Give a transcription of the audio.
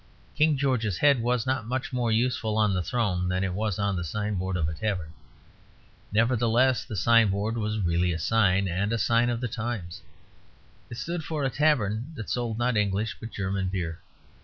King George's head was not much more useful on the throne than it was on the sign board of a tavern; nevertheless, the sign board was really a sign, and a sign of the times. It stood for a tavern that sold not English but German beer.